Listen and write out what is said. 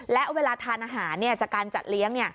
และเวลาทานอาหารจากการจัดเลี้ยง